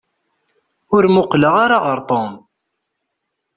Ur muqleɣ ara ɣer Tom.